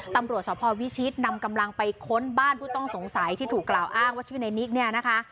ตำรวจสพวิชิตนำกำลังไปค้นบ้านผู้ต้องสงสัยที่ถูกกล่าวอ้างว่าชื่อในนิกเนี่ยนะคะ